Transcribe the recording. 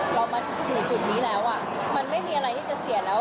เรามาอยู่จุดนี้แล้วมันไม่มีอะไรที่จะเสียแล้ว